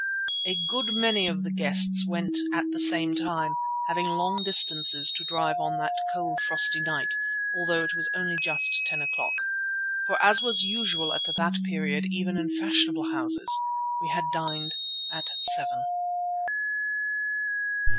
A good many of the guests went at the same time, having long distances to drive on that cold frosty night, although it was only just ten o'clock. For as was usual at that period even in fashionable houses, we had dined at seven.